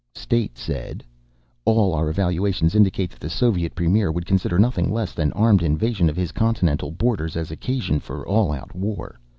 State said: "All our evaluations indicate that the Soviet Premier would consider nothing less than armed invasion of his continental borders as occasion for all out war.